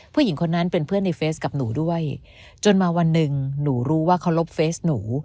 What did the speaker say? ผู้หญิงคนนั้นเป็นเพื่อนในเฟสกับหนูด้วยจนมาวันหนึ่งหนูรู้ว่าเขาลบเฟสหนู